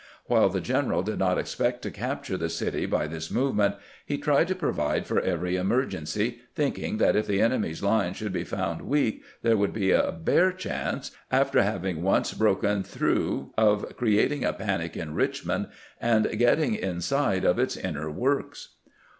While the general did not expect to capture the city by this move ment, he tried to provide for every emergency, thinking that if the enemy's line should be found weak, there would be a bare chance, after having once broken through, of creating a panic in Eichmond, and getting inside of its inner works.